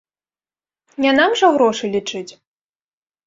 Не нам жа грошы лічыць!